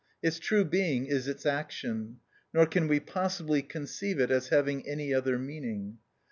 Its true being is its action, nor can we possibly conceive it as having any other meaning.